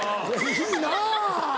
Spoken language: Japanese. いいなぁ。